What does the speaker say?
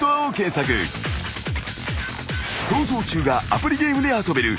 ［『逃走中』がアプリゲームで遊べる。